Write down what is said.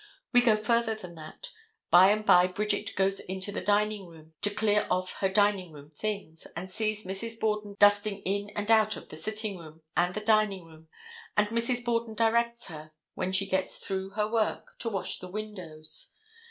We go further than that. By and by Bridget goes into the dining room to clear off her dining room things, and sees Mrs. Borden dusting in and out of the sitting room and the dining room, and Mrs. Borden directs her, when she gets through her work, to wash the windows.